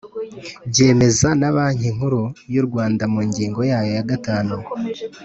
Byemeza na Banki Nkuru y’u Rwanda mu ngingo yayo ya gatanu